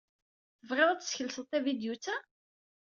Tebɣiḍ ad teskelseḍ tavidyut-a?